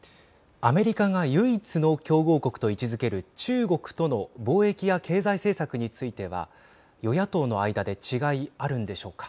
アメリカが唯一の競合国と位置づける中国との貿易や経済政策については与野党の間で違い、あるんでしょうか。